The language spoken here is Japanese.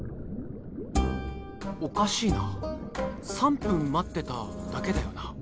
おかしいな３分待ってただけだよな。